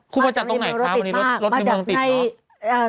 คู่มาจากตรงไหนคะวันนี้รถมีเมืองติดเนอะ